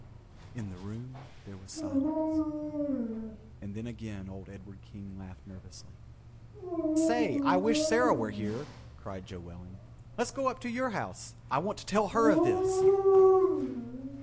In the room there was silence and then again old Edward King laughed nervously. "Say, I wish Sarah was here," cried Joe Welling. "Let's go up to your house. I want to tell her of this."